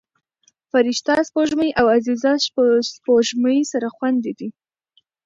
فرشته سپوږمۍ او عزیزه سپوږمۍ سره خویندې دي